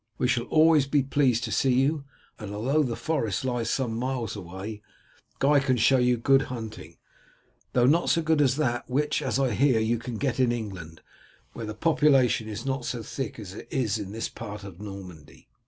We shall always be pleased to see you, and although the forest lies some miles away, Guy can show you good hunting, though not so good as that which, as I hear, you can get in England, where the population is not so thick as it is in this part of Normandy."